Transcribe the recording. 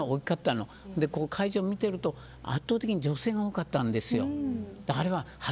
会場を見てると圧倒的に女性が多かったんです。